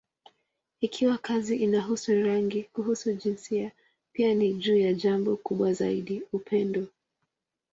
Ikiwa kazi inahusu rangi, kuhusu jinsia, pia ni juu ya jambo kubwa zaidi: upendo.